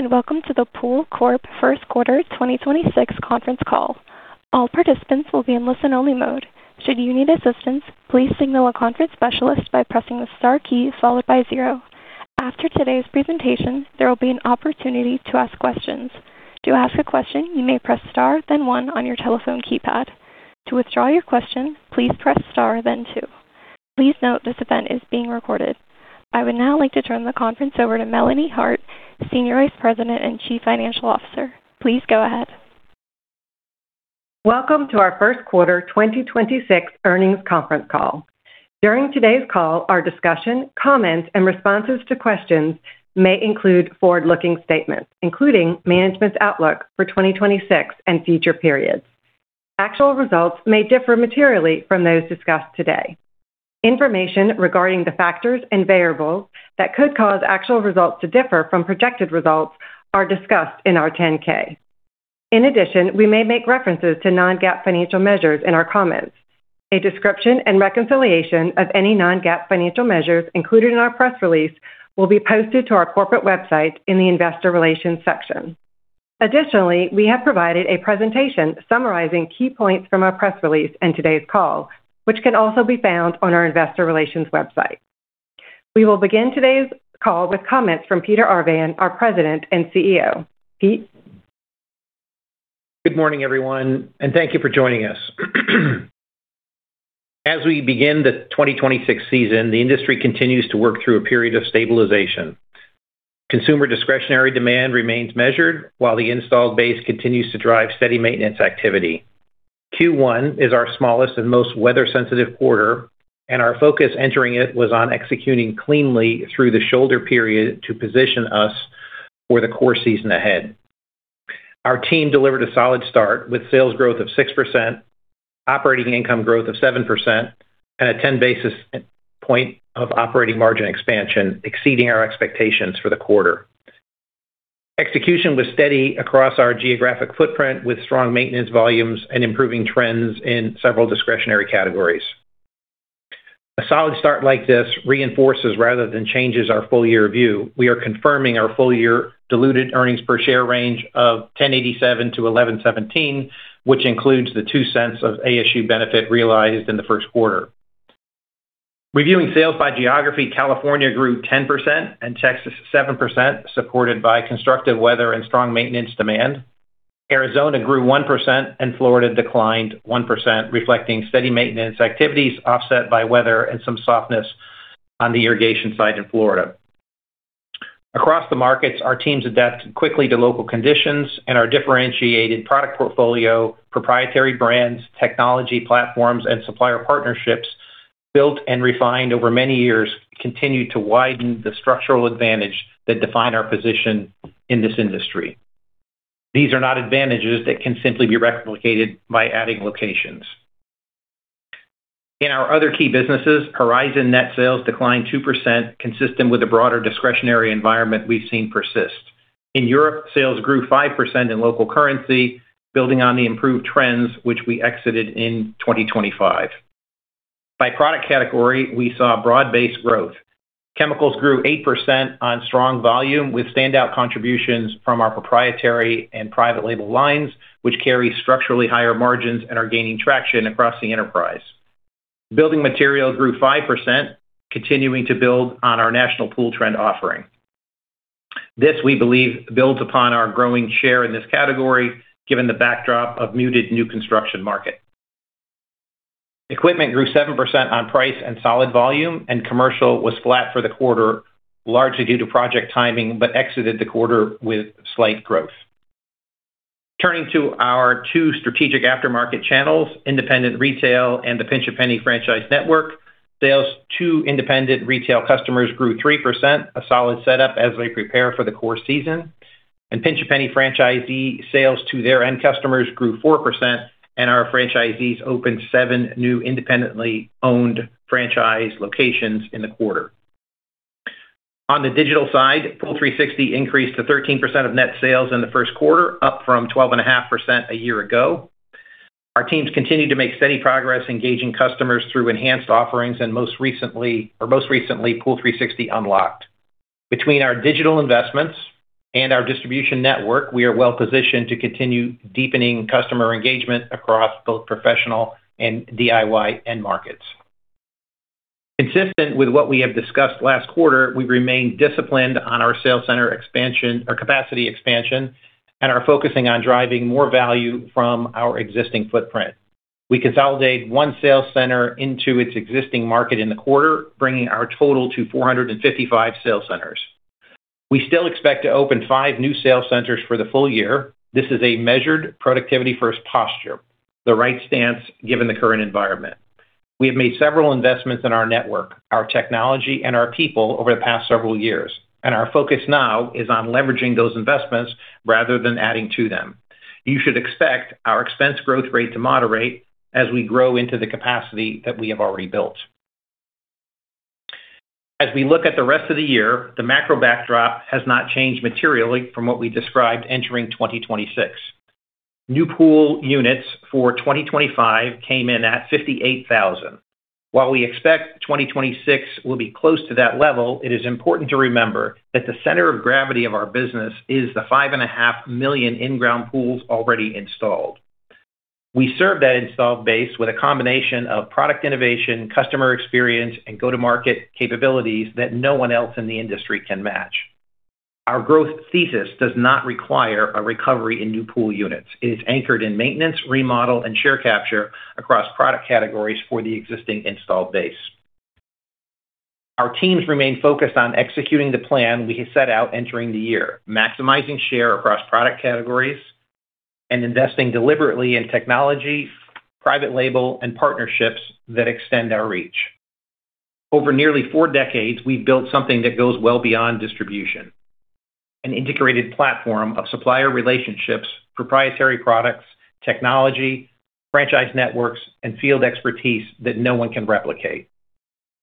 Good day, and welcome to the Pool Corporation First Quarter 2026 conference call. All participants will be in listen only mode. Should you need assistance, please signal a conference specialist by pressing the star key followed by zero. After today's presentation, there will be an opportunity to ask questions. To ask a question, you may press star then one on your telephone keypad. To withdraw your question, please press star then two. Please note this event is being recorded. I would now like to turn the conference over to Melanie Hart, Senior Vice President and Chief Financial Officer. Please go ahead. Welcome to our first quarter 2026 earnings conference call. During today's call, our discussion, comments, and responses to questions may include forward-looking statements, including management's outlook for 2026 and future periods. Actual results may differ materially from those discussed today. Information regarding the factors and variables that could cause actual results to differ from projected results are discussed in our 10-K. In addition, we may make references to non-GAAP financial measures in our comments. A description and reconciliation of any non-GAAP financial measures included in our press release will be posted to our corporate website in the investor relations section. Additionally, we have provided a presentation summarizing key points from our press release and today's call, which can also be found on our investor relations website. We will begin today's call with comments from Peter Arvan, our President and CEO. Pete? Good morning, everyone, and thank you for joining us. As we begin the 2026 season, the industry continues to work through a period of stabilization. Consumer discretionary demand remains measured while the installed base continues to drive steady maintenance activity. Q1 is our smallest and most weather sensitive quarter, and our focus entering it was on executing cleanly through the shoulder period to position us for the core season ahead. Our team delivered a solid start with sales growth of 6%, operating income growth of 7%, and a 10 basis point of operating margin expansion, exceeding our expectations for the quarter. Execution was steady across our geographic footprint, with strong maintenance volumes and improving trends in several discretionary categories. A solid start like this reinforces rather than changes our full year view. We are confirming our full year diluted earnings per share range of $10.87-$11.17, which includes the $0.02 of ASU benefit realized in the first quarter. Reviewing sales by geography, California grew 10% and Texas 7%, supported by constructive weather and strong maintenance demand. Arizona grew 1% and Florida declined 1%, reflecting steady maintenance activities offset by weather and some softness on the irrigation side in Florida. Across the markets, our teams adapt quickly to local conditions and our differentiated product portfolio, proprietary brands, technology platforms, and supplier partnerships built and refined over many years continue to widen the structural advantage that define our position in this industry. These are not advantages that can simply be replicated by adding locations. In our other key businesses, Horizon net sales declined 2%, consistent with the broader discretionary environment we've seen persist. In Europe, sales grew 5% in local currency, building on the improved trends which we exited in 2025. By product category, we saw broad-based growth. Chemicals grew 8% on strong volume, with standout contributions from our proprietary and private label lines, which carry structurally higher margins and are gaining traction across the enterprise. Building materials grew 5%, continuing to build on our National Pool Tile offering. This, we believe, builds upon our growing share in this category, given the backdrop of muted new construction market. Equipment grew 7% on price and solid volume, and commercial was flat for the quarter, largely due to project timing, but exited the quarter with slight growth. Turning to our two strategic aftermarket channels, independent retail and the Pinch A Penny franchise network. Sales to independent retail customers grew 3%, a solid setup as we prepare for the core season. Pinch A Penny franchisee sales to their end customers grew 4%, and our franchisees opened 7 new independently owned franchise locations in the quarter. On the digital side, Pool360 increased to 13% of net sales in the first quarter, up from 12.5% a year ago. Our teams continued to make steady progress engaging customers through enhanced offerings and most recently, Pool360 Unlocked. Between our digital investments and our distribution network, we are well positioned to continue deepening customer engagement across both professional and DIY end markets. Consistent with what we have discussed last quarter, we remain disciplined on our sales center expansion or capacity expansion and are focusing on driving more value from our existing footprint. We consolidate one sales center into its existing market in the quarter, bringing our total to 455 sales centers. We still expect to open 5 new sales centers for the full year. This is a measured productivity first posture, the right stance given the current environment. We have made several investments in our network, our technology, and our people over the past several years, and our focus now is on leveraging those investments rather than adding to them. You should expect our expense growth rate to moderate as we grow into the capacity that we have already built. As we look at the rest of the year, the macro backdrop has not changed materially from what we described entering 2026. New pool units for 2025 came in at 58,000. While we expect 2026 will be close to that level, it is important to remember that the center of gravity of our business is the 5.5 million in-ground pools already installed. We serve that installed base with a combination of product innovation, customer experience, and go-to-market capabilities that no one else in the industry can match. Our growth thesis does not require a recovery in new pool units. It is anchored in maintenance, remodel, and share capture across product categories for the existing installed base. Our teams remain focused on executing the plan we had set out entering the year, maximizing share across product categories, and investing deliberately in technology, private label, and partnerships that extend our reach. Over nearly four decades, we've built something that goes well beyond distribution, an integrated platform of supplier relationships, proprietary products, technology, franchise networks, and field expertise that no one can replicate.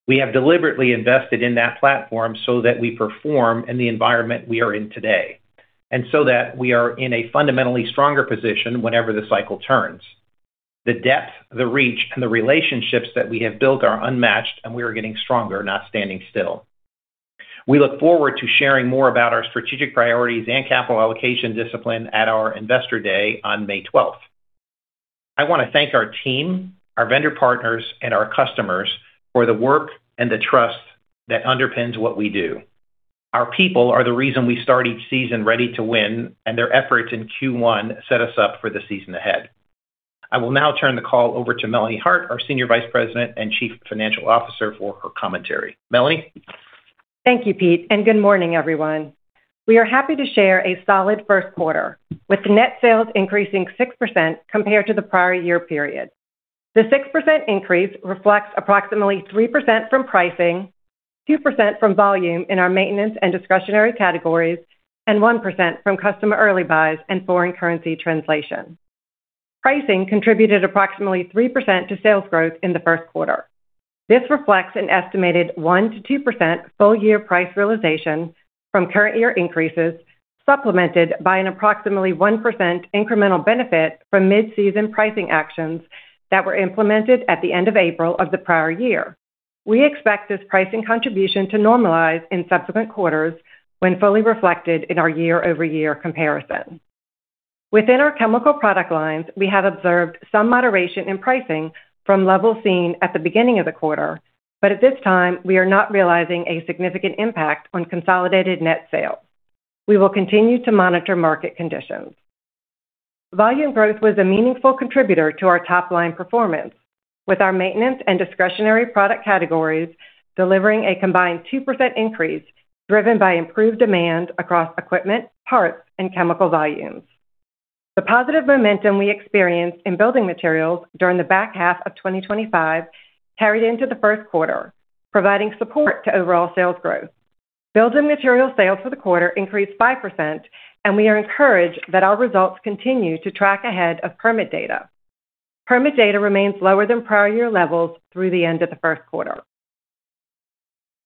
We have deliberately invested in that platform so that we perform in the environment we are in today, and so that we are in a fundamentally stronger position whenever the cycle turns. The depth, the reach, and the relationships that we have built are unmatched, and we are getting stronger, not standing still. We look forward to sharing more about our strategic priorities and capital allocation discipline at our investor day on May 12th. I want to thank our team, our vendor partners, and our customers for the work and the trust that underpins what we do. Our people are the reason we start each season ready to win, and their efforts in Q1 set us up for the season ahead. I will now turn the call over to Melanie Hart, our Senior Vice President and Chief Financial Officer, for her commentary. Melanie? Thank you, Pete, and good morning, everyone. We are happy to share a solid first quarter, with net sales increasing 6% compared to the prior year period. The 6% increase reflects approximately 3% from pricing, 2% from volume in our maintenance and discretionary categories, and 1% from customer early buys and foreign currency translation. Pricing contributed approximately 3% to sales growth in the first quarter. This reflects an estimated 1%-2% full-year price realization from current year increases, supplemented by an approximately 1% incremental benefit from mid-season pricing actions that were implemented at the end of April of the prior year. We expect this pricing contribution to normalize in subsequent quarters when fully reflected in our year-over-year comparison. Within our chemical product lines, we have observed some moderation in pricing from levels seen at the beginning of the quarter, but at this time, we are not realizing a significant impact on consolidated net sales. We will continue to monitor market conditions. Volume growth was a meaningful contributor to our top-line performance, with our maintenance and discretionary product categories delivering a combined 2% increase, driven by improved demand across equipment, parts, and chemical volumes. The positive momentum we experienced in building materials during the back half of 2025 carried into the first quarter, providing support to overall sales growth. Building material sales for the quarter increased 5%, and we are encouraged that our results continue to track ahead of permit data. Permit data remains lower than prior year levels through the end of the first quarter.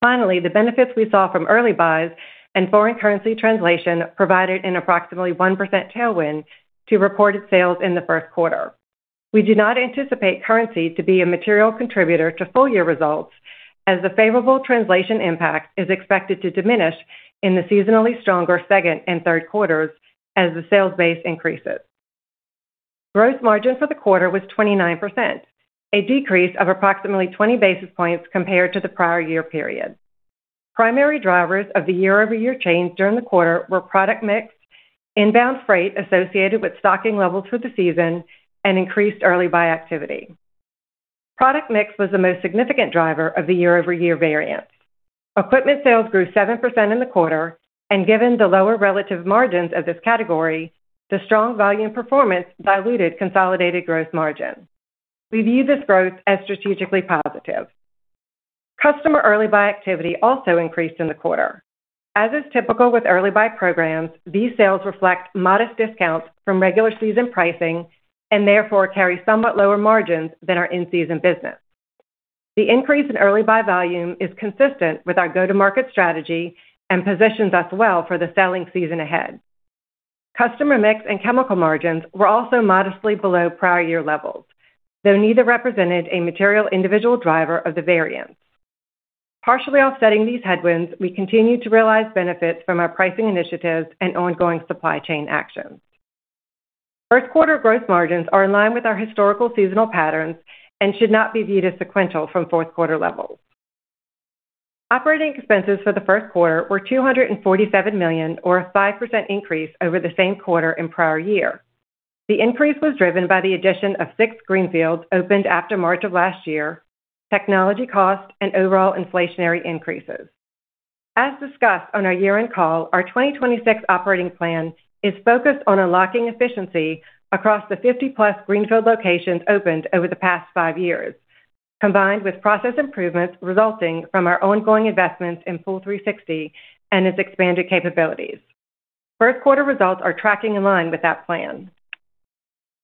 Finally, the benefits we saw from early buys and foreign currency translation provided an approximately 1% tailwind to reported sales in the first quarter. We do not anticipate currency to be a material contributor to full year results, as the favorable translation impact is expected to diminish in the seasonally stronger second and third quarters as the sales base increases. Gross margin for the quarter was 29%, a decrease of approximately 20 basis points compared to the prior year period. Primary drivers of the year-over-year change during the quarter were product mix, inbound freight associated with stocking levels for the season, and increased early buy activity. Product mix was the most significant driver of the year-over-year variance. Equipment sales grew 7% in the quarter, and given the lower relative margins of this category, the strong volume performance diluted consolidated gross margin. We view this growth as strategically positive. Customer early buy activity also increased in the quarter. As is typical with early buy programs, these sales reflect modest discounts from regular season pricing, and therefore, carry somewhat lower margins than our in-season business. The increase in early buy volume is consistent with our go-to-market strategy and positions us well for the selling season ahead. Customer mix and chemical margins were also modestly below prior year levels, though neither represented a material individual driver of the variance. Partially offsetting these headwinds, we continue to realize benefits from our pricing initiatives and ongoing supply chain actions. First quarter growth margins are in line with our historical seasonal patterns and should not be viewed as sequential from fourth quarter levels. Operating expenses for the first quarter were $247 million, or a 5% increase over the same quarter in prior year. The increase was driven by the addition of 6 greenfields opened after March of last year, technology cost, and overall inflationary increases. As discussed on our year-end call, our 2026 operating plan is focused on unlocking efficiency across the 50+ greenfield locations opened over the past 5 years, combined with process improvements resulting from our ongoing investments in Pool360 and its expanded capabilities. First quarter results are tracking in line with that plan.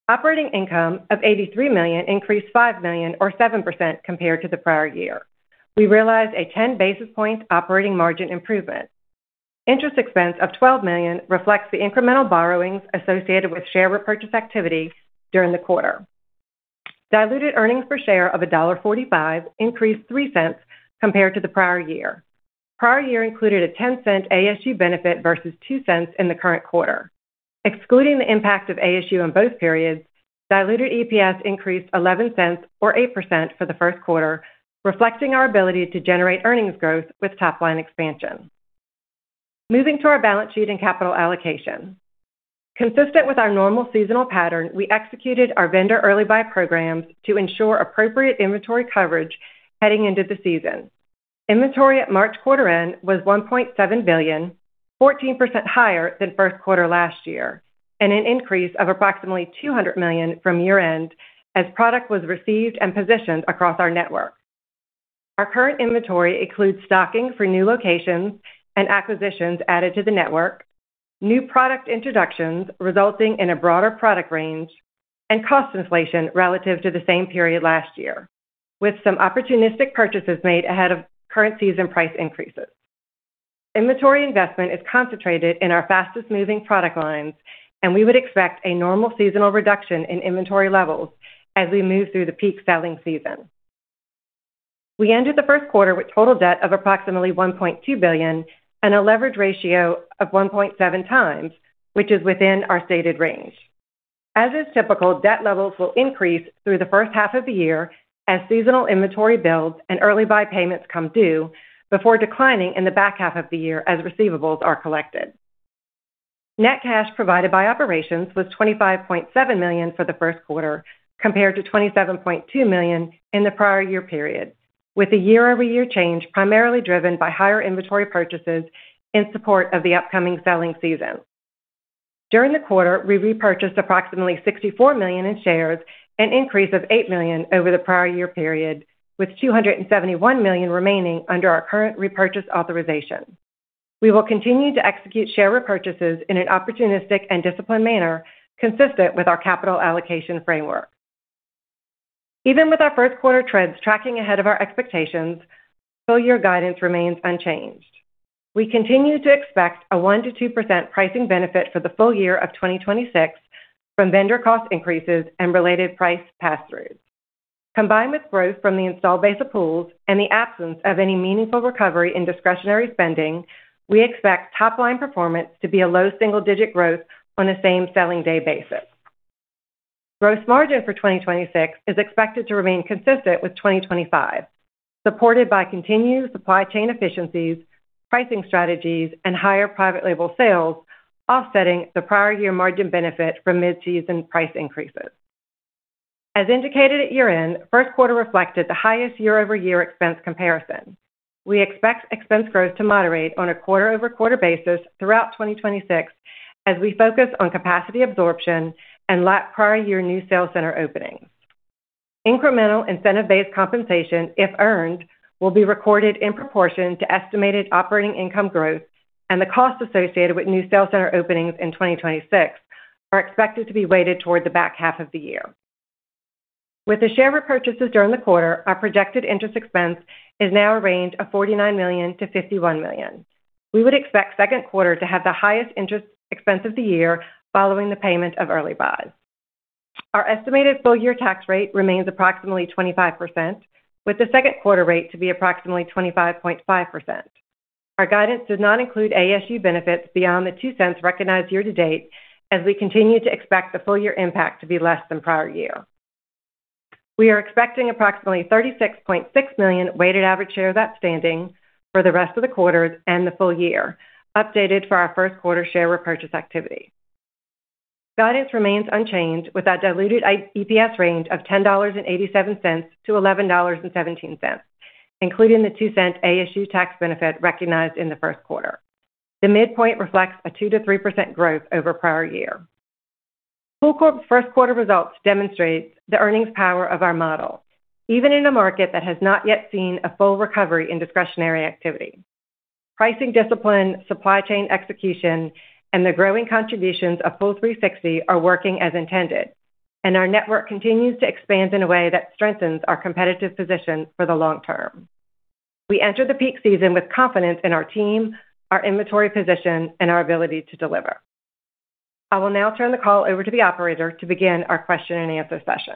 Operating income of $83 million increased $5 million, or 7% compared to the prior year. We realized a 10 basis point operating margin improvement. Interest expense of $12 million reflects the incremental borrowings associated with share repurchase activity during the quarter. Diluted earnings per share of $1.45 increased $0.03 compared to the prior year. Prior year included a $0.10 ASU benefit versus $0.02 in the current quarter. Excluding the impact of ASU in both periods, diluted EPS increased $0.11 or 8% for the first quarter, reflecting our ability to generate earnings growth with top-line expansion. Moving to our balance sheet and capital allocation. Consistent with our normal seasonal pattern, we executed our vendor early buy programs to ensure appropriate inventory coverage heading into the season. Inventory at March quarter end was $1.7 billion, 14% higher than first quarter last year, and an increase of approximately $200 million from year-end as product was received and positioned across our network. Our current inventory includes stocking for new locations and acquisitions added to the network, new product introductions resulting in a broader product range, and cost inflation relative to the same period last year, with some opportunistic purchases made ahead of current season price increases. Inventory investment is concentrated in our fastest-moving product lines, and we would expect a normal seasonal reduction in inventory levels as we move through the peak selling season. We ended the first quarter with total debt of approximately $1.2 billion and a leverage ratio of 1.7 times, which is within our stated range. As is typical, debt levels will increase through the first half of the year as seasonal inventory builds and early buy payments come due before declining in the back half of the year as receivables are collected. Net cash provided by operations was $25.7 million for the first quarter, compared to $27.2 million in the prior year period, with the year-over-year change primarily driven by higher inventory purchases in support of the upcoming selling season. During the quarter, we repurchased approximately $64 million in shares, an increase of $8 million over the prior year period, with $271 million remaining under our current repurchase authorization. We will continue to execute share repurchases in an opportunistic and disciplined manner consistent with our capital allocation framework. Even with our first quarter trends tracking ahead of our expectations, full year guidance remains unchanged. We continue to expect a 1%-2% pricing benefit for the full year of 2026 from vendor cost increases and related price pass-throughs. Combined with growth from the installed base of pools and the absence of any meaningful recovery in discretionary spending, we expect top-line performance to be a low single-digit growth on a same selling day basis. Gross margin for 2026 is expected to remain consistent with 2025, supported by continued supply chain efficiencies, pricing strategies, and higher private label sales offsetting the prior year margin benefit from mid-season price increases. As indicated at year-end, first quarter reflected the highest year-over-year expense comparison. We expect expense growth to moderate on a quarter-over-quarter basis throughout 2026 as we focus on capacity absorption and lack prior year new sales center openings. Incremental incentive-based compensation, if earned, will be recorded in proportion to estimated operating income growth, and the cost associated with new sales center openings in 2026 are expected to be weighted toward the back half of the year. With the share repurchases during the quarter, our projected interest expense is now a range of $49 million-$51 million. We would expect second quarter to have the highest interest expense of the year following the payment of early buys. Our estimated full year tax rate remains approximately 25%, with the second quarter rate to be approximately 25.5%. Our guidance does not include ASU benefits beyond the $0.02 recognized year to date as we continue to expect the full year impact to be less than prior year. We are expecting approximately 36.6 million weighted average shares outstanding for the rest of the quarters and the full year, updated for our first quarter share repurchase activity. Guidance remains unchanged with our diluted EPS range of $10.87-$11.17, including the $0.02 ASU tax benefit recognized in the first quarter. The midpoint reflects a 2%-3% growth over prior year. PoolCorp's first quarter results demonstrates the earnings power of our model, even in a market that has not yet seen a full recovery in discretionary activity. Pricing discipline, supply chain execution, and the growing contributions of Pool360 are working as intended, and our network continues to expand in a way that strengthens our competitive position for the long term. We enter the peak season with confidence in our team, our inventory position, and our ability to deliver. I will now turn the call over to the operator to begin our question and answer session.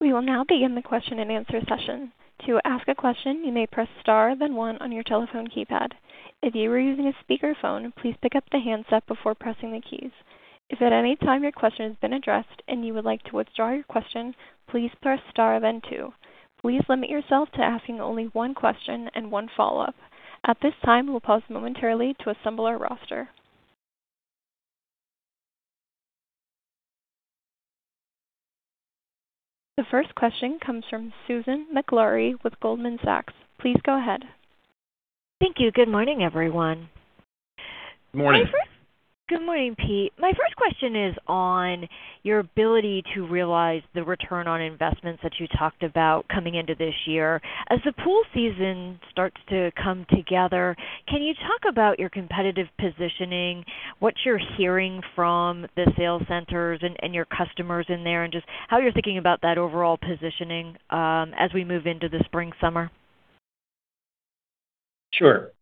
We will now begin the question and answer session. To ask a question, you may press star then one on your telephone keypad. If you are using a speakerphone, please pick up the handset before pressing the keys. If at any time your question has been addressed and you would like to withdraw your question, please press star then two. Please limit yourself to asking only one question and one follow-up. At this time, we'll pause momentarily to assemble our roster. The first question comes from Susan Maklari with Goldman Sachs. Please go ahead. Thank you. Good morning, everyone. Good morning. Good morning, Pete. My first question is on your ability to realize the return on investments that you talked about coming into this year. As the pool season starts to come together, can you talk about your competitive positioning, what you're hearing from the sales centers and your customers in there, and just how you're thinking about that overall positioning as we move into the spring/summer? Sure.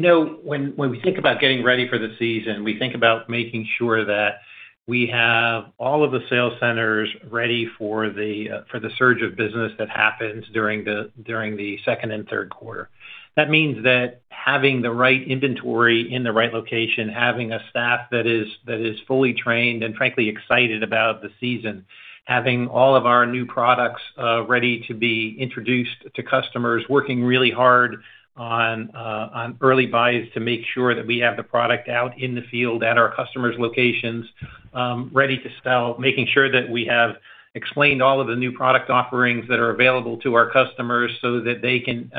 When we think about getting ready for the season, we think about making sure that we have all of the sales centers ready for the surge of business that happens during the second and third quarter. That means that having the right inventory in the right location, having a staff that is fully trained and frankly excited about the season, having all of our new products ready to be introduced to customers, working really hard on early buys to make sure that we have the product out in the field at our customers' locations, ready to sell. Making sure that we have explained all of the new product offerings that are available to our customers so that they can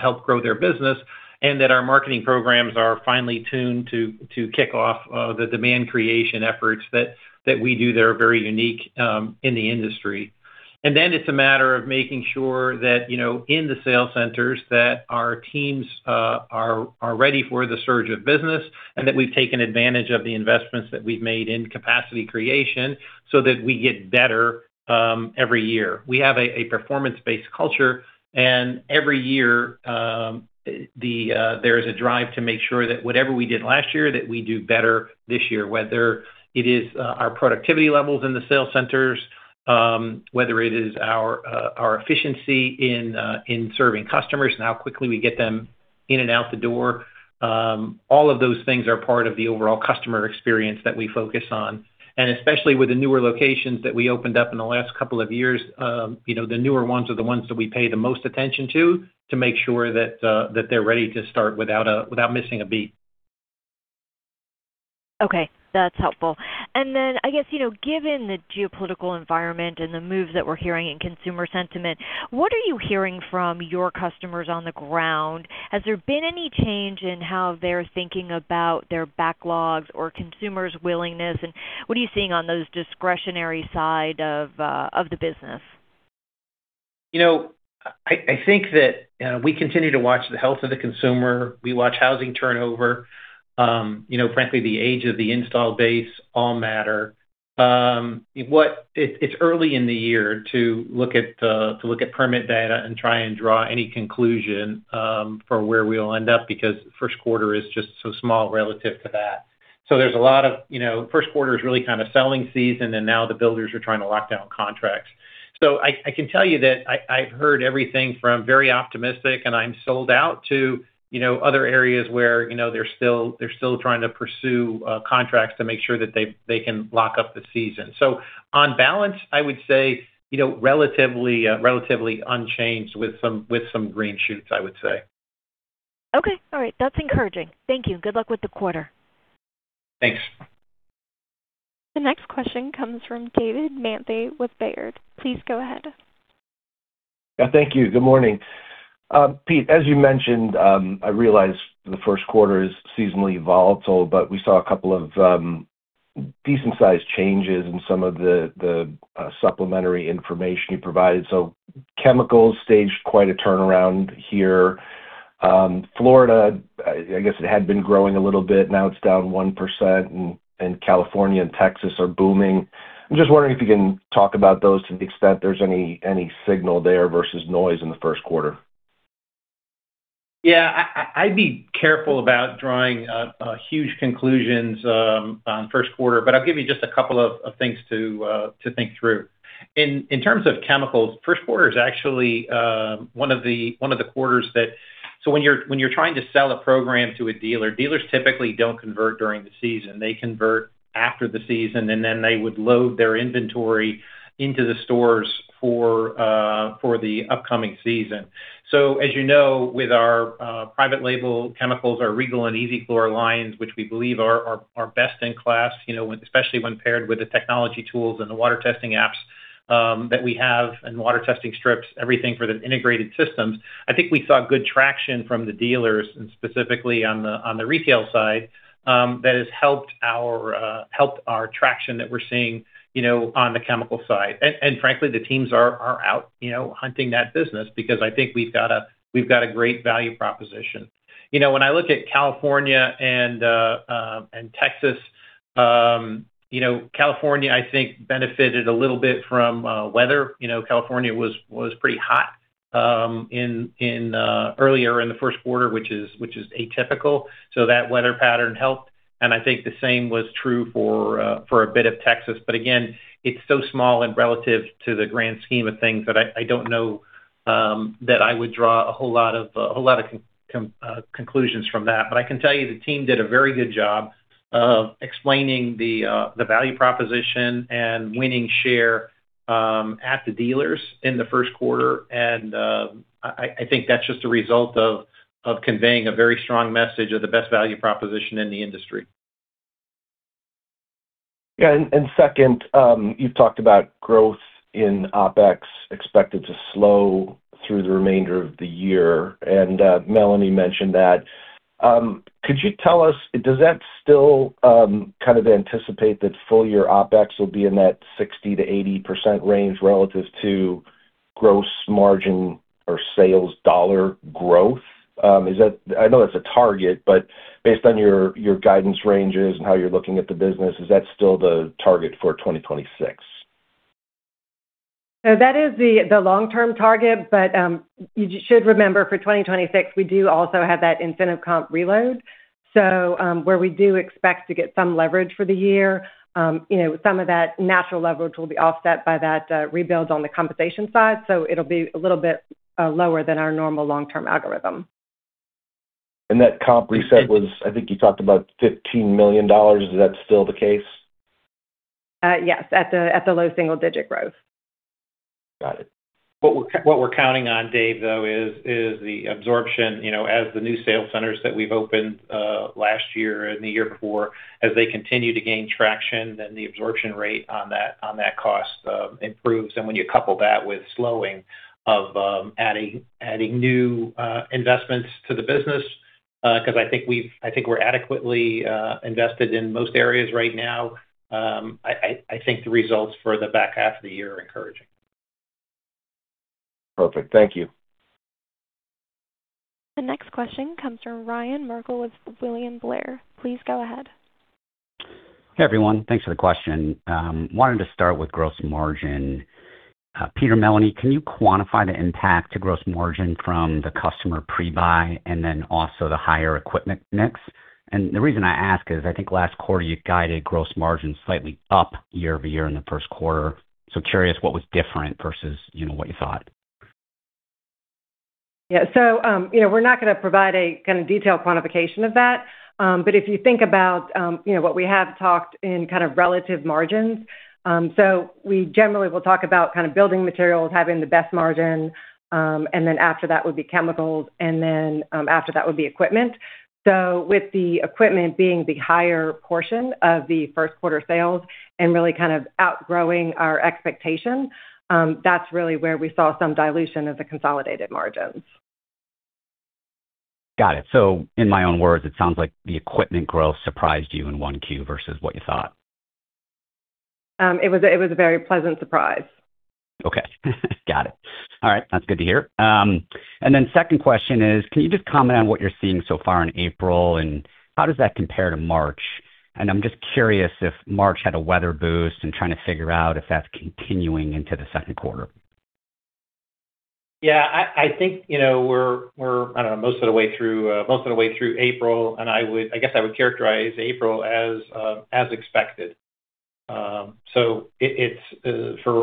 help grow their business, and that our marketing programs are finely tuned to kick off the demand creation efforts that we do that are very unique in the industry. It's a matter of making sure that in the sales centers, that our teams are ready for the surge of business, and that we've taken advantage of the investments that we've made in capacity creation so that we get better every year. We have a performance-based culture, and every year, there is a drive to make sure that whatever we did last year, that we do better this year. Whether it is our productivity levels in the sales centers, whether it is our efficiency in serving customers and how quickly we get them in and out the door, all of those things are part of the overall customer experience that we focus on. Especially with the newer locations that we opened up in the last couple of years, the newer ones are the ones that we pay the most attention to make sure that they're ready to start without missing a beat. Okay. That's helpful. I guess, given the geopolitical environment and the moves that we're hearing in consumer sentiment, what are you hearing from your customers on the ground? Has there been any change in how they're thinking about their backlogs or consumers' willingness, and what are you seeing on the discretionary side of the business? I think that we continue to watch the health of the consumer. We watch housing turnover. Frankly, the age of the install base all matter. It's early in the year to look at permit data and try and draw any conclusion for where we'll end up, because first quarter is just so small relative to that. First quarter is really kind of selling season, and now the builders are trying to lock down contracts. I can tell you that I've heard everything from very optimistic, and I'm sold out to other areas where they're still trying to pursue contracts to make sure that they can lock up the season. On balance, I would say, relatively unchanged with some green shoots, I would say. Okay. All right. That's encouraging. Thank you. Good luck with the quarter. Thanks. The next question comes from David Manthey with Baird. Please go ahead. Yeah. Thank you. Good morning. Pete, as you mentioned, I realize the first quarter is seasonally volatile, but we saw a couple of decent size changes in some of the supplementary information you provided. Chemicals staged quite a turnaround here. Florida, I guess it had been growing a little bit, now it's down 1%, and California and Texas are booming. I'm just wondering if you can talk about those to the extent there's any signal there versus noise in the first quarter. Yeah. I'd be careful about drawing huge conclusions on first quarter, but I'll give you just a couple of things to think through. In terms of chemicals, first quarter is actually one of the quarters. When you're trying to sell a program to a dealer, dealers typically don't convert during the season. They convert after the season, and then they would load their inventory into the stores for the upcoming season. As you know, with our private label chemicals, our REGAL and EZ Clor lines, which we believe are best in class, especially when paired with the technology tools and the water testing apps that we have and water testing strips, everything for the integrated systems. I think we saw good traction from the dealers, and specifically on the retail side, that has helped our traction that we're seeing on the chemical side. Frankly, the teams are out hunting that business because I think we've got a great value proposition. When I look at California and Texas, California, I think, benefited a little bit from weather. California was pretty hot earlier in the first quarter, which is atypical. That weather pattern helped, and I think the same was true for a bit of Texas. Again, it's so small and relative to the grand scheme of things that I don't know that I would draw a whole lot of conclusions from that. I can tell you the team did a very good job of explaining the value proposition and winning share at the dealers in the first quarter, and I think that's just a result of conveying a very strong message of the best value proposition in the industry. Yeah. Second, you've talked about growth in OpEx expected to slow through the remainder of the year, and Melanie mentioned that. Could you tell us, does that still kind of anticipate that full year OpEx will be in that 60%-80% range relative to gross margin or sales dollar growth? I know that's a target, but based on your guidance ranges and how you're looking at the business, is that still the target for 2026? That is the long-term target. You should remember, for 2026, we do also have that incentive comp reload. Where we do expect to get some leverage for the year, some of that natural leverage will be offset by that rebuild on the compensation side. It'll be a little bit lower than our normal long-term algorithm. That comp reset was, I think you talked about $15 million. Is that still the case? Yes. At the low single-digit growth. Got it. What we're counting on, Dave, though, is the absorption, as the new sales centers that we've opened last year and the year before, as they continue to gain traction, then the absorption rate on that cost improves. When you couple that with slowing of adding new investments to the business, because I think we're adequately invested in most areas right now. I think the results for the back half of the year are encouraging. Perfect. Thank you. The next question comes from Ryan Merkel with William Blair. Please go ahead. Hey, everyone. Thanks for the question. I wanted to start with gross margin. Peter, Melanie, can you quantify the impact to gross margin from the customer pre-buy and then also the higher equipment mix? The reason I ask is, I think last quarter, you guided gross margin slightly up year-over-year in the first quarter. Curious what was different versus what you thought. Yeah. We're not going to provide a kind of detailed quantification of that. If you think about what we have talked in kind of relative margins, we generally will talk about kind of building materials having the best margin, and then after that would be chemicals, and then after that would be equipment. With the equipment being the higher portion of the first quarter sales and really kind of outgrowing our expectations, that's really where we saw some dilution of the consolidated margins. Got it. In my own words, it sounds like the equipment growth surprised you in one Q versus what you thought. It was a very pleasant surprise. Okay. Got it. All right, that's good to hear. Second question is, can you just comment on what you're seeing so far in April, and how does that compare to March? I'm just curious if March had a weather boost and trying to figure out if that's continuing into the second quarter. Yeah, I think we're, I don't know, most of the way through April, and I guess I would characterize April as expected. For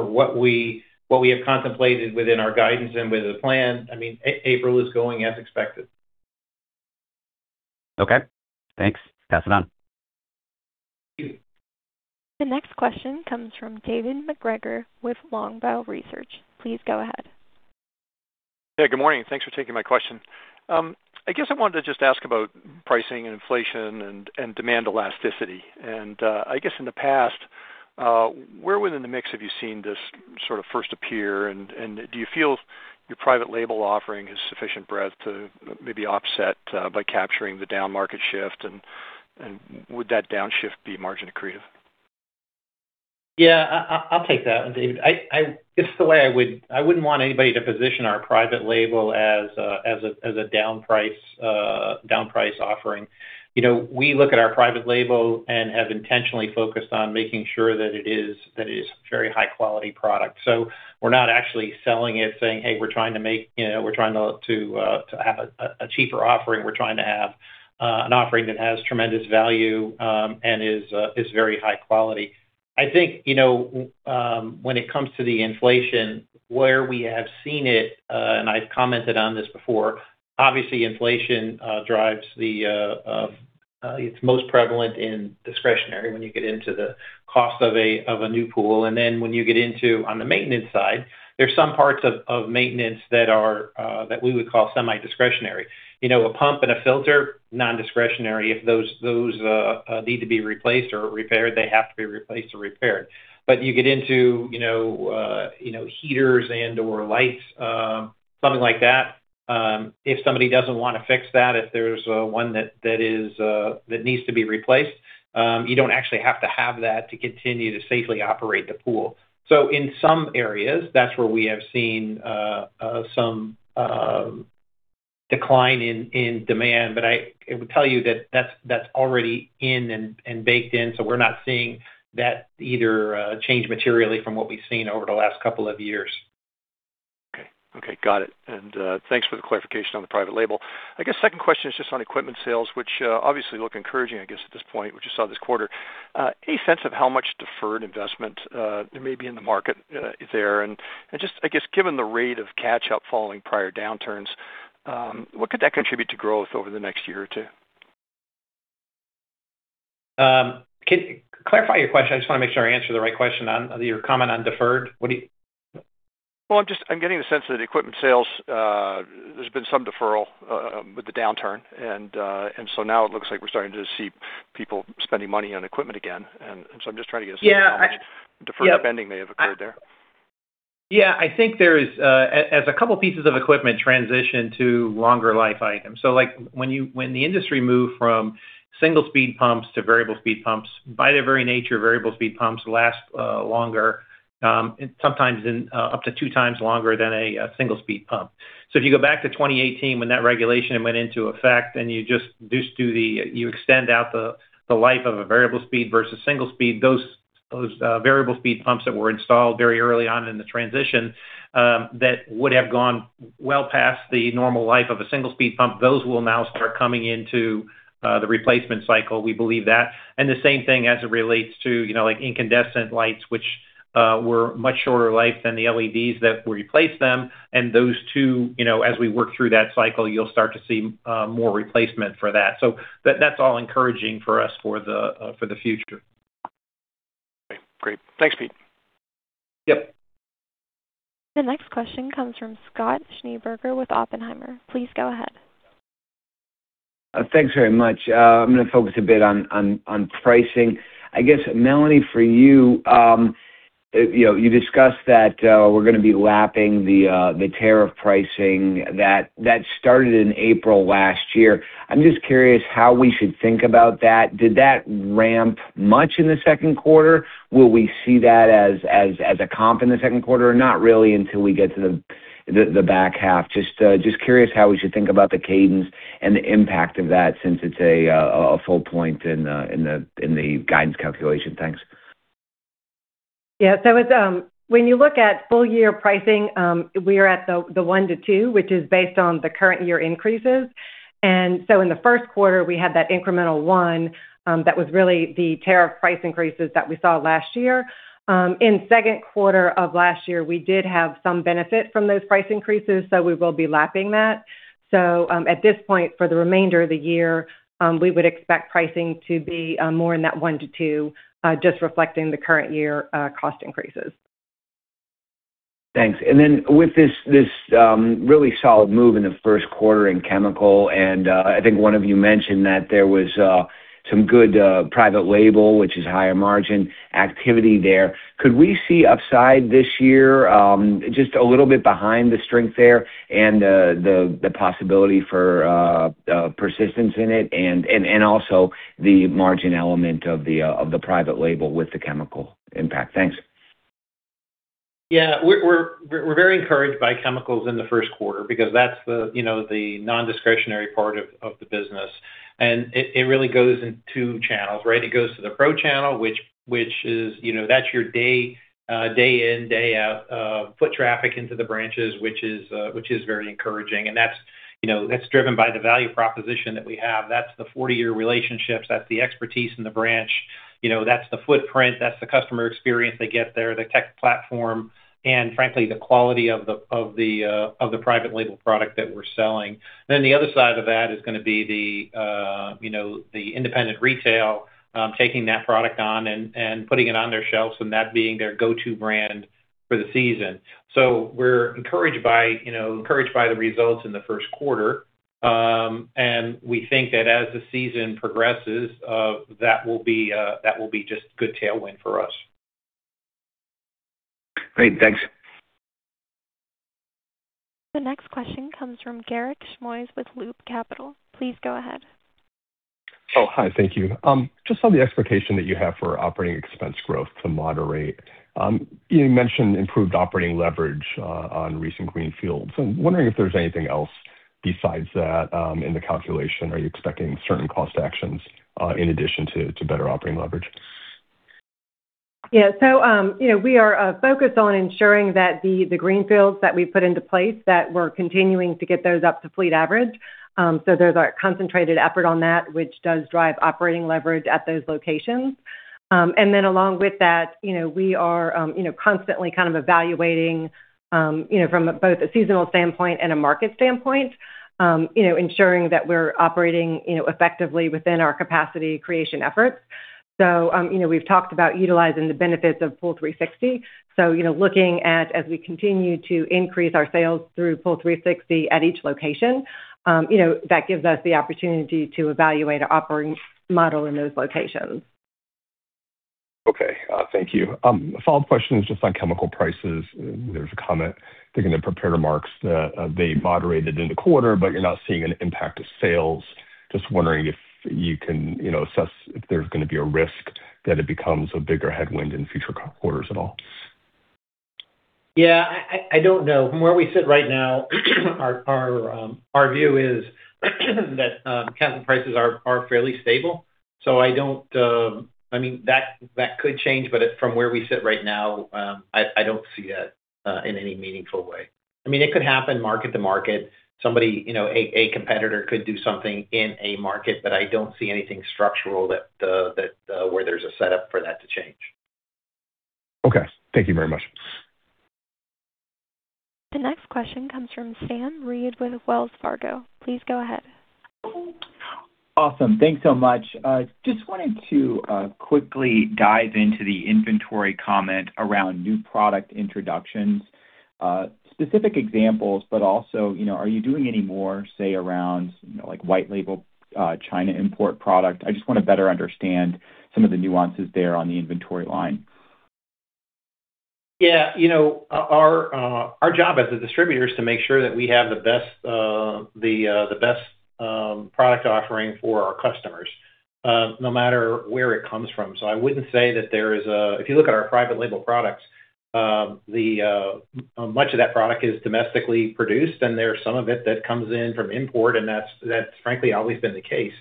what we have contemplated within our guidance and with the plan, April is going as expected. Okay, thanks. Pass it on. Thank you. The next question comes from David MacGregor with Longbow Research. Please go ahead. Yeah, good morning, and thanks for taking my question. I guess I wanted to just ask about pricing and inflation and demand elasticity. I guess in the past, where within the mix have you seen this sort of first appear, and do you feel your private label offering has sufficient breadth to maybe offset by capturing the downmarket shift? Would that downshift be margin accretive? Yeah, I'll take that one, David. I wouldn't want anybody to position our private label as a downprice offering. We look at our private label and have intentionally focused on making sure that it is very high-quality product. We're not actually selling it saying, "Hey, we're trying to have a cheaper offering." We're trying to have an offering that has tremendous value and is very high quality. I think, when it comes to the inflation, where we have seen it, and I've commented on this before, obviously inflation drives the. It's most prevalent in discretionary when you get into the cost of a new pool. When you get into, on the maintenance side, there's some parts of maintenance that we would call semi-discretionary. A pump and a filter, non-discretionary. If those need to be replaced or repaired, they have to be replaced or repaired. You get into heaters and/or lights something like that. If somebody doesn't want to fix that, if there's one that needs to be replaced, you don't actually have to have that to continue to safely operate the pool. In some areas, that's where we have seen some decline in demand. I would tell you that that's already in and baked in. We're not seeing that either change materially from what we've seen over the last couple of years. Okay. Got it. Thanks for the clarification on the private label. I guess second question is just on equipment sales, which obviously look encouraging, I guess, at this point, what you saw this quarter. Any sense of how much deferred investment there may be in the market there? Just, I guess, given the rate of catch-up following prior downturns, what could that contribute to growth over the next year or two? Can you clarify your question. I just want to make sure I answer the right question on your comment on deferred. What do you- Well, I'm getting the sense that equipment sales, there's been some deferral with the downturn, and so now it looks like we're starting to see people spending money on equipment again. I'm just trying to get a sense of how much deferred spending may have occurred there. Yeah, I think there is, as a couple pieces of equipment transition to longer life items. Like, when the industry moved from single speed pumps to variable speed pumps, by their very nature, variable speed pumps last longer, and sometimes up to two times longer than a single speed pump. If you go back to 2018 when that regulation went into effect, and you extend out the life of a variable speed versus single speed, those variable speed pumps that were installed very early on in the transition, that would have gone well past the normal life of a single speed pump. Those will now start coming into the replacement cycle. We believe that. The same thing as it relates to incandescent lights, which were much shorter life than the LEDs that replaced them. Those two, as we work through that cycle, you'll start to see more replacement for that. That's all encouraging for us for the future. Great. Thanks, Pete. Yep. The next question comes from Scott Schneeberger with Oppenheimer. Please go ahead. Thanks very much. I'm going to focus a bit on pricing. I guess, Melanie, for you discussed that we're going to be lapping the tariff pricing that started in April last year. I'm just curious how we should think about that. Did that ramp much in the second quarter? Will we see that as a comp in the second quarter, or not really until we get to the back half? Just curious how we should think about the cadence and the impact of that since it's a full point in the guidance calculation. Thanks. Yeah. When you look at full year pricing, we are at the 1%-2%, which is based on the current year increases. In the first quarter, we had that incremental 1%, that was really the tariff price increases that we saw last year. In second quarter of last year, we did have some benefit from those price increases, so we will be lapping that. At this point, for the remainder of the year, we would expect pricing to be more in that 1%-2%, just reflecting the current year cost increases. Thanks. With this really solid move in the first quarter in chemical, I think one of you mentioned that there was some good private label, which is higher margin activity there. Could we see upside this year? Just a little bit behind the strength there and the possibility for persistence in it, and also the margin element of the private label with the chemical impact. Thanks. Yeah. We're very encouraged by chemicals in the first quarter because that's the non-discretionary part of the business. It really goes in two channels, right? It goes to the pro channel, which that's your day in, day out foot traffic into the branches, which is very encouraging. That's driven by the value proposition that we have. That's the 40-year relationships. That's the expertise in the branch, that's the footprint, that's the customer experience they get there, the tech platform, and frankly, the quality of the private label product that we're selling. The other side of that is going to be the independent retail, taking that product on and putting it on their shelves, and that being their go-to brand for the season. We're encouraged by the results in the first quarter. We think that as the season progresses, that will be just good tailwind for us. Great. Thanks. The next question comes from Garik Shmois with Loop Capital. Please go ahead. Oh, hi. Thank you. Just on the expectation that you have for operating expense growth to moderate. You mentioned improved operating leverage on recent greenfields. I'm wondering if there's anything else besides that in the calculation. Are you expecting certain cost actions in addition to better operating leverage? Yeah. We are focused on ensuring that the greenfields that we put into place, that we're continuing to get those up to fleet average. There's a concentrated effort on that, which does drive operating leverage at those locations. Along with that, we are constantly kind of evaluating, from both a seasonal standpoint and a market standpoint, ensuring that we're operating effectively within our capacity creation efforts. We've talked about utilizing the benefits of Pool360. Looking at, as we continue to increase our sales through Pool360 at each location, that gives us the opportunity to evaluate our operating model in those locations. Okay. Thank you. A follow-up question just on chemical prices. There's a comment, I think in the prepared remarks, they moderated in the quarter, but you're not seeing an impact to sales. Just wondering if you can assess if there's going to be a risk that it becomes a bigger headwind in future quarters at all? Yeah, I don't know. From where we sit right now our view is that chemical prices are fairly stable. I mean, that could change, but from where we sit right now, I don't see that in any meaningful way. I mean, it could happen market to market. A competitor could do something in a market, I don't see anything structural where there's a setup for that to change. Okay. Thank you very much. The next question comes from Sam Reid with Wells Fargo. Please go ahead. Awesome. Thanks so much. Just wanted to quickly dive into the inventory comment around new product introductions. Specific examples, but also are you doing any more, say, around white label China import product? I just want to better understand some of the nuances there on the inventory line. Yeah. Our job as a distributor is to make sure that we have the best product offering for our customers, no matter where it comes from. I wouldn't say that there is a. If you look at our private label products. Much of that product is domestically produced, and there are some of it that comes in from import, and that's frankly always been the case.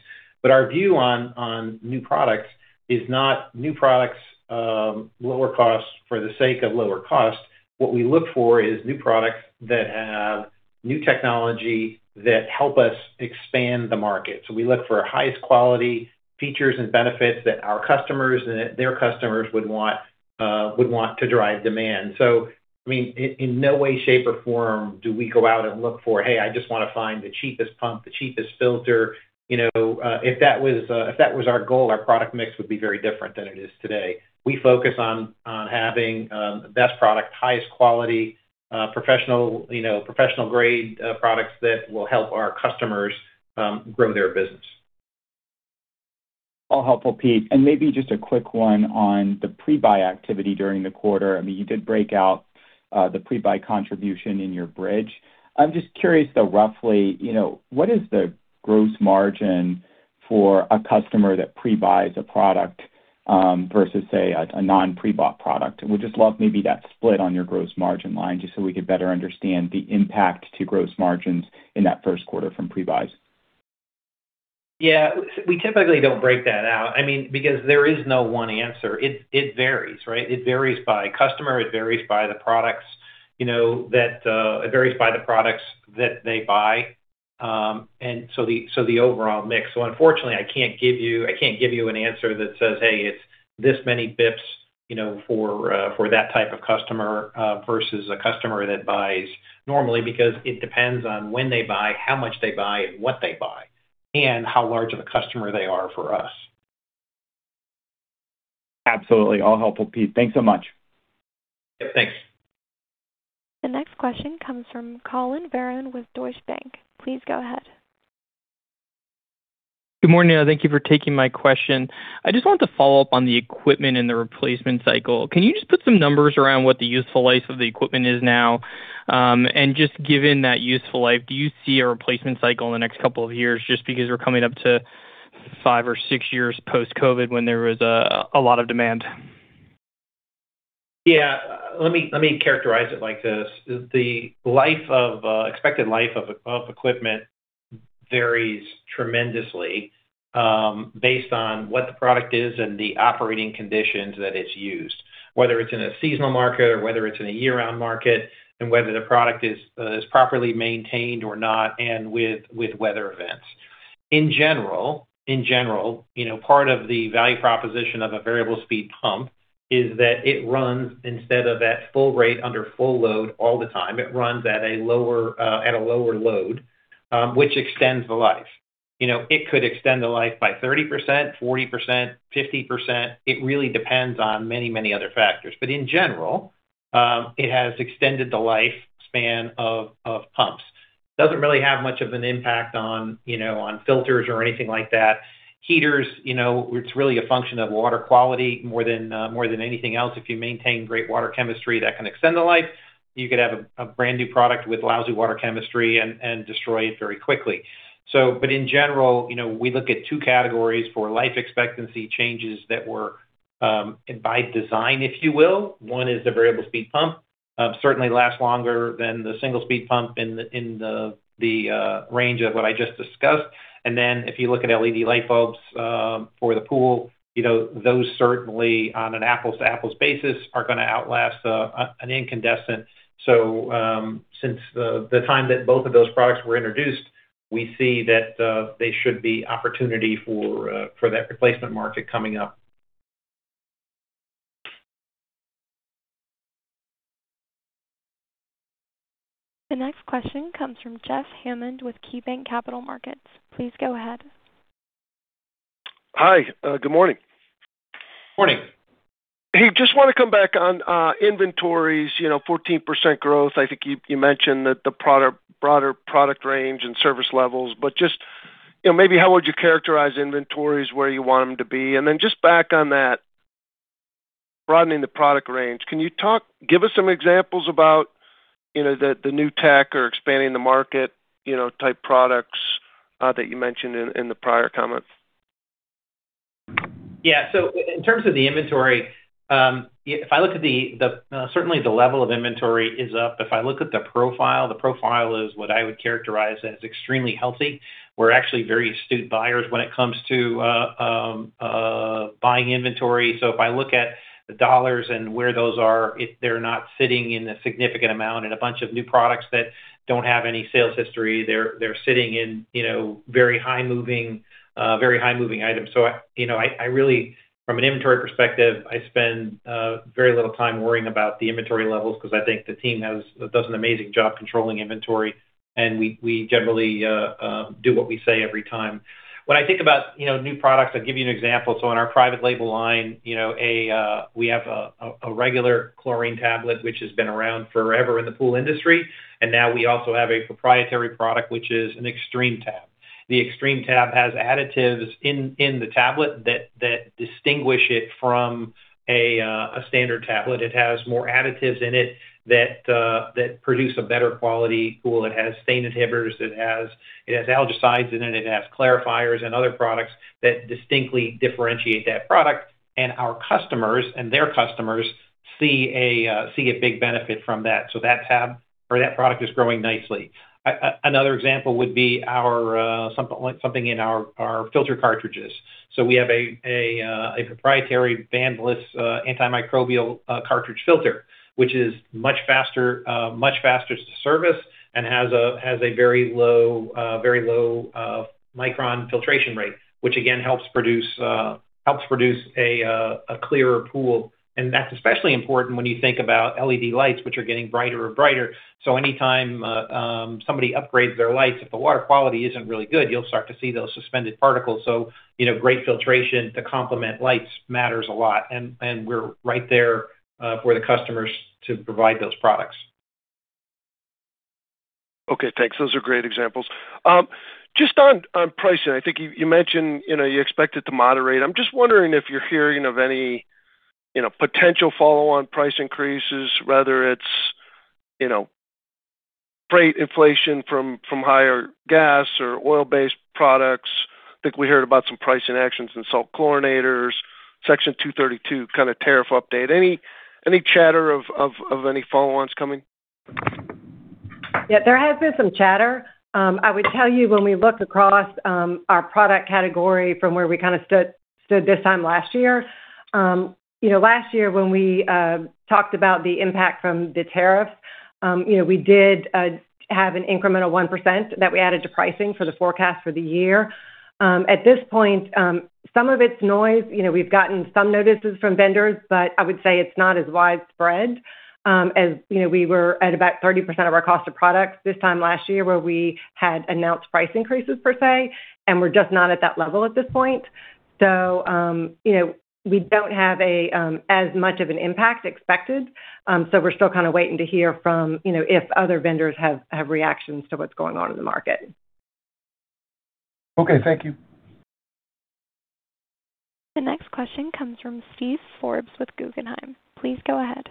Our view on new products is not new products lower cost for the sake of lower cost. What we look for is new products that have new technology that help us expand the market. We look for highest quality features and benefits that our customers and their customers would want to drive demand. In no way, shape, or form do we go out and look for, "Hey, I just want to find the cheapest pump, the cheapest filter." If that was our goal, our product mix would be very different than it is today. We focus on having the best product, highest quality professional grade products that will help our customers grow their business. All helpful, Pete. Maybe just a quick one on the pre-buy activity during the quarter. You did break out the pre-buy contribution in your bridge. I'm just curious, though, roughly, what is the gross margin for a customer that pre-buys a product versus, say, a non-pre-bought product? Would just love maybe that split on your gross margin line just so we could better understand the impact to gross margins in that first quarter from pre-buys. Yeah. We typically don't break that out because there is no one answer. It varies, right? It varies by customer, it varies by the products that they buy, so the overall mix. Unfortunately, I can't give you an answer that says, "Hey, it's this many basis points for that type of customer versus a customer that buys normally," because it depends on when they buy, how much they buy, and what they buy, and how large of a customer they are for us. Absolutely. All helpful, Pete. Thanks so much. Yep, thanks. The next question comes from Colin Barrow with Deutsche Bank. Please go ahead. Good morning. Thank you for taking my question. I just wanted to follow up on the equipment and the replacement cycle. Can you just put some numbers around what the useful life of the equipment is now? Just given that useful life, do you see a replacement cycle in the next couple of years just because we're coming up to five or six years post-COVID when there was a lot of demand? Yeah. Let me characterize it like this. The expected life of equipment varies tremendously based on what the product is and the operating conditions that it's used, whether it's in a seasonal market or whether it's in a year-round market, and whether the product is properly maintained or not, and with weather events. In general, part of the value proposition of a variable speed pump is that it runs instead of at full rate under full load all the time. It runs at a lower load, which extends the life. It could extend the life by 30%, 40%, 50%. It really depends on many other factors. In general, it has extended the lifespan of pumps. Doesn't really have much of an impact on filters or anything like that. Heaters, it's really a function of water quality more than anything else. If you maintain great water chemistry, that can extend the life. You could have a brand-new product with lousy water chemistry and destroy it very quickly. In general, we look at two categories for life expectancy changes that were by design, if you will. One is the variable speed pump. Certainly lasts longer than the single speed pump in the range of what I just discussed. If you look at LED light bulbs for the pool, those certainly on an apples-to-apples basis are going to outlast an incandescent. Since the time that both of those products were introduced, we see that there should be opportunity for that replacement market coming up. The next question comes from Jeff Hammond with KeyBanc Capital Markets. Please go ahead. Hi. Good morning. Morning. Hey, just want to come back on inventories, 14% growth. I think you mentioned that the broader product range and service levels, but just maybe how would you characterize inventories where you want them to be? Then just back on that, broadening the product range, can you give us some examples about the new tech or expanding the market type products that you mentioned in the prior comments? Yeah. In terms of the inventory, certainly the level of inventory is up. If I look at the profile, the profile is what I would characterize as extremely healthy. We're actually very astute buyers when it comes to buying inventory. If I look at the dollars and where those are, they're not sitting in a significant amount in a bunch of new products that don't have any sales history. They're sitting in very high moving items. From an inventory perspective, I spend very little time worrying about the inventory levels because I think the team does an amazing job controlling inventory, and we generally do what we say every time. When I think about new products, I'll give you an example. In our private label line, we have a regular chlorine tablet, which has been around forever in the pool industry, and now we also have a proprietary product, which is an Xtreme Tab. The Xtreme Tabs has additives in the tablet that distinguish it from a standard tablet. It has more additives in it that produce a better quality pool. It has stain inhibitors. It has algicides in it. It has clarifiers and other products that distinctly differentiate that product, and our customers and their customers see a big benefit from that. That tab, or that product is growing nicely. Another example would be something in our filter cartridges. We have a proprietary vanless antimicrobial cartridge filter, which is much faster to service and has a very low micron filtration rate, which again, helps produce a clearer pool. That's especially important when you think about LED lights, which are getting brighter and brighter. Anytime somebody upgrades their lights, if the water quality isn't really good, you'll start to see those suspended particles. Great filtration to complement lights matters a lot, and we're right there for the customers to provide those products. Okay, thanks. Those are great examples. Just on pricing, I think you mentioned you expect it to moderate. I'm just wondering if you're hearing of any potential follow-on price increases, whether it's freight inflation from higher gas or oil-based products. I think we heard about some pricing actions in salt chlorinators, Section 232 kind of tariff update. Any chatter of any follow-ons coming? Yeah, there has been some chatter. I would tell you when we look across our product category from where we kind of stood this time last year. Last year when we talked about the impact from the tariff, we did have an incremental 1% that we added to pricing for the forecast for the year. At this point, some of it's noise. We've gotten some notices from vendors, but I would say it's not as widespread. As we were at about 30% of our cost of products this time last year, where we had announced price increases, per se, and we're just not at that level at this point. We don't have as much of an impact expected. We're still kind of waiting to hear if other vendors have reactions to what's going on in the market. Okay, thank you. The next question comes from Steven Forbes with Guggenheim. Please go ahead.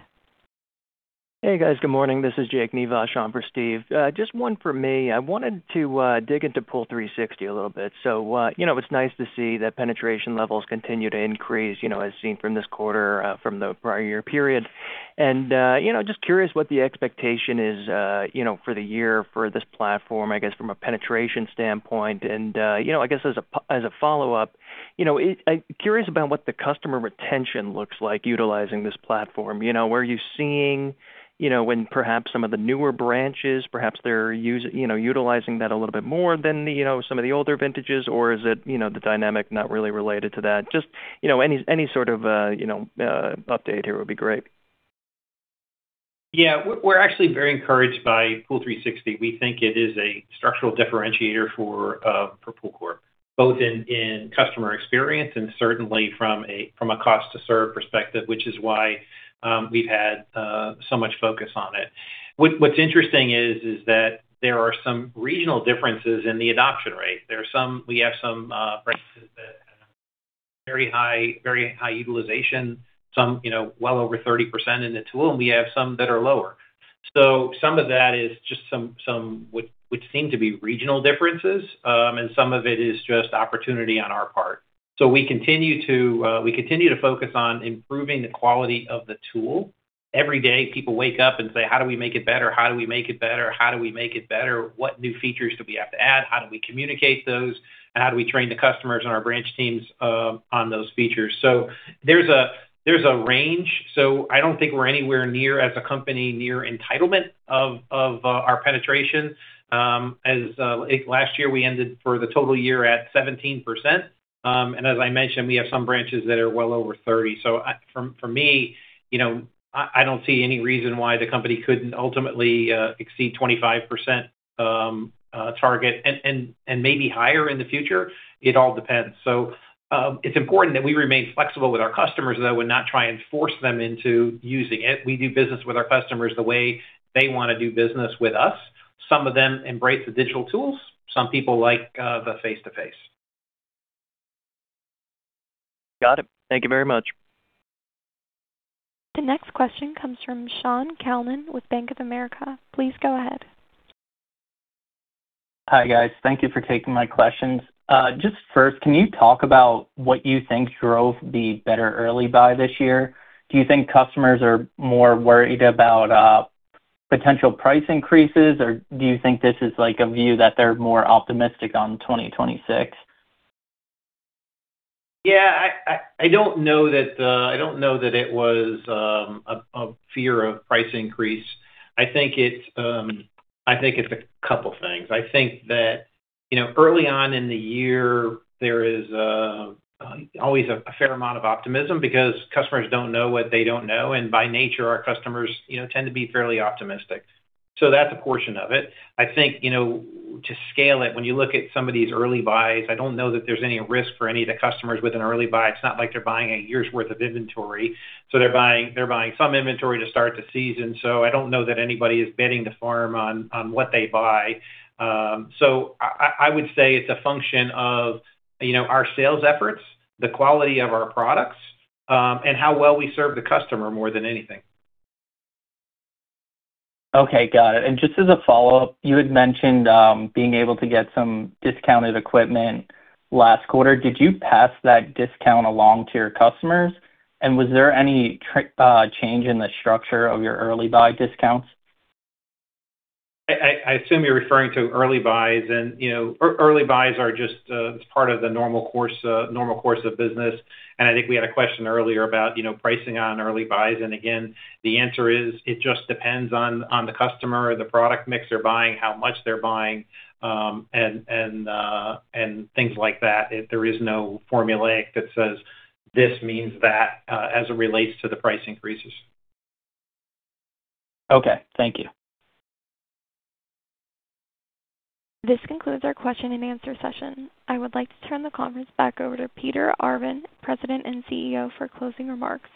Hey, guys. Good morning. This is Jake Nivasch on for Steve. Just one for me. I wanted to dig into Pool360 a little bit. It's nice to see that penetration levels continue to increase as seen from this quarter from the prior year period. Just curious what the expectation is for the year for this platform, I guess, from a penetration standpoint. I guess as a follow-up, curious about what the customer retention looks like utilizing this platform. Where are you seeing when perhaps some of the newer branches, perhaps they're utilizing that a little bit more than some of the older vintages, or is it the dynamic not really related to that? Just any sort of update here would be great. Yeah, we're actually very encouraged by Pool360. We think it is a structural differentiator for PoolCorp, both in customer experience and certainly from a cost to serve perspective, which is why we've had so much focus on it. What's interesting is that there are some regional differences in the adoption rate. We have some branches that have very high utilization, some well over 30% in the tool, and we have some that are lower. Some of that is just which seem to be regional differences. Some of it is just opportunity on our part. We continue to focus on improving the quality of the tool. Every day, people wake up and say, "How do we make it better? What new features do we have to add? How do we communicate those, and how do we train the customers and our branch teams on those features?" There's a range. I don't think we're anywhere near, as a company, near entitlement of our penetration. As last year, we ended for the total year at 17%. As I mentioned, we have some branches that are well over 30%. For me, I don't see any reason why the company couldn't ultimately exceed 25% target and maybe higher in the future. It all depends. It's important that we remain flexible with our customers, though, and not try and force them into using it. We do business with our customers the way they want to do business with us. Some of them embrace the digital tools. Some people like the face-to-face. Got it. Thank you very much. The next question comes from Shaun Calnan with Bank of America. Please go ahead. Hi, guys. Thank you for taking my questions. Just first, can you talk about what you think drove the better early buy this year? Do you think customers are more worried about potential price increases, or do you think this is like a view that they're more optimistic on 2026? Yeah, I don't know that it was a fear of price increase. I think it's a couple things. I think that early on in the year, there is always a fair amount of optimism because customers don't know what they don't know, and by nature, our customers tend to be fairly optimistic. That's a portion of it. I think to scale it, when you look at some of these early buys, I don't know that there's any risk for any of the customers with an early buy. It's not like they're buying a year's worth of inventory. They're buying some inventory to start the season. I don't know that anybody is betting the farm on what they buy. I would say it's a function of our sales efforts, the quality of our products, and how well we serve the customer more than anything. Okay, got it. Just as a follow-up, you had mentioned being able to get some discounted equipment last quarter. Did you pass that discount along to your customers? Was there any change in the structure of your early buy discounts? I assume you're referring to early buys, and early buys are just part of the normal course of business, and I think we had a question earlier about pricing on early buys, and again, the answer is it just depends on the customer or the product mix they're buying, how much they're buying, and things like that. There is no formula that says this means that as it relates to the price increases. Okay, thank you. This concludes our question and answer session. I would like to turn the conference back over to Peter Arvan, President and CEO, for closing remarks.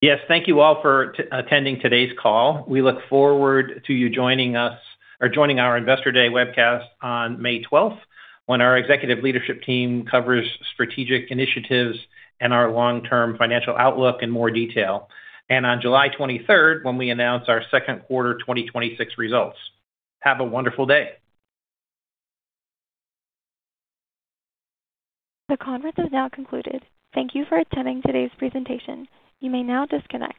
Yes. Thank you all for attending today's call. We look forward to you joining us or joining our Investor Day webcast on May 12th, when our executive leadership team covers strategic initiatives and our long-term financial outlook in more detail. On July 23rd, when we announce our second quarter 2026 results. Have a wonderful day. The conference has now concluded. Thank you for attending today's presentation. You may now disconnect.